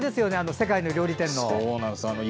世界の料理店の。